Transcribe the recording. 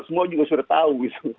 semua juga sudah tahu